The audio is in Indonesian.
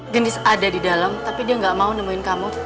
gendis ada di dalam tapi dia gak mau nemuin kamu